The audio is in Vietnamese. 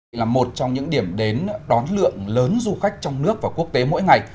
đây là một trong những điểm đến đón lượng lớn du khách trong nước và quốc tế mỗi ngày